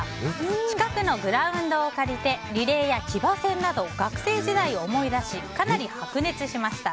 近くのグラウンドを借りてリレーや騎馬戦など学生時代を思い出しかなり白熱しました。